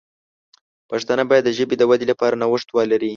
پښتانه باید د ژبې د ودې لپاره نوښت ولري.